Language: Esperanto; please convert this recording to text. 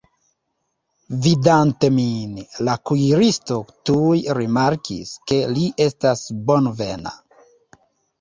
Vidante min, la kuiristo tuj rimarkis, ke li estas bonvena.